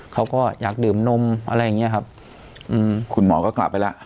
เขาก็อยากดื่มนมอะไรอย่างเงี้ยครับอืมคุณหมอก็กลับไปแล้ว